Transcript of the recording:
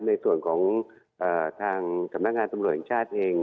ในส่วนของทางสำนักงานตำรวจแห่งชาติเอง